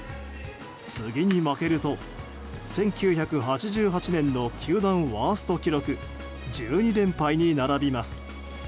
次に負けると１９８８年の球団ワースト記録１２連敗に並びます。